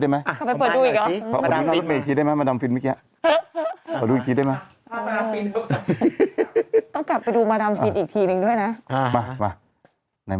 ไม่เพราะว่าเห็นรถเมย์ก็คือแบบเป็น